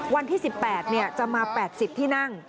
วันที่๑๘จะมา๘๐ที่นั่ง